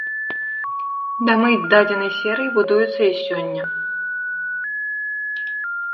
Дамы дадзенай серыі будуюцца і сёння.